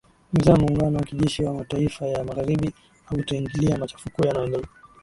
amesema muungano wa kijeshi wa mataifa ya magharibi hautaingilia machafuko yanayoendelea